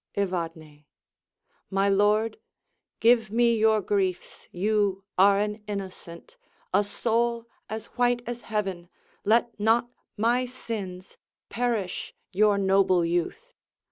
Evadne My lord, Give me your griefs: you are an innocent, A soul as white as Heaven; let not my sins Perish your noble youth.